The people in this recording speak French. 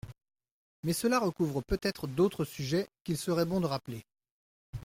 Mais cela recouvre peut-être d’autres sujets, qu’il serait bon de rappeler.